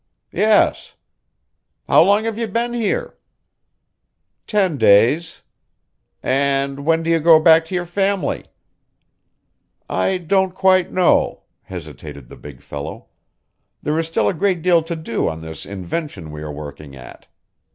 "Yes." "How long have you been here?" "Ten days." "And when do you go back to your family?" "I don't quite know," hesitated the big fellow. "There is still a great deal to do on this invention we are working at."